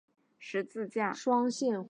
但屋顶立有高大的十字架。